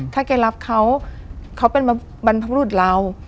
ถ้าแกรับเขาเขาเป็นบรรพบรุษเรา